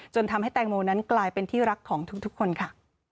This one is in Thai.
ทำให้แตงโมนั้นกลายเป็นที่รักของทุกคนค่ะ